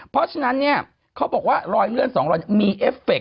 เพราะฉะนั้นเขาบอกว่ารอยเลื่อนสองรอยนี้มีเอฟเฟค